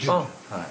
はい。